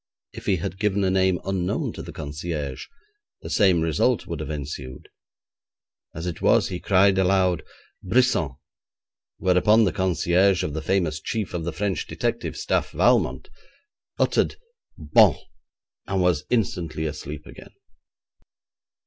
If he had given a name unknown to the concierge, the same result would have ensued. As it was he cried aloud 'Brisson,' whereupon the concierge of the famous chief of the French detective staff, Valmont, muttered 'Bon! and was instantly asleep again.